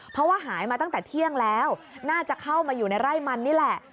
เพราะว่าหายมาตั้งแต่เที่ยงแล้วน่าจะเข้ามาอยู่ในไร่มันนี่แหละ